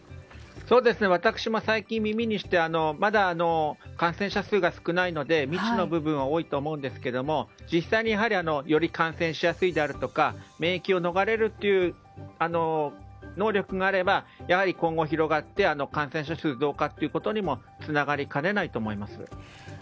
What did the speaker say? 私、最近耳にしてまだ感染者数が少ないので未知の部分が多いと思いますが実際により感染しやすいであるとか免疫を逃れるという能力があればやはり今後広がって感染者数増加っていうことにもつながりかねないと思います。